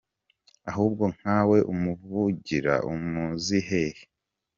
Ahubwo nka we umuvugira, umuizi hehe?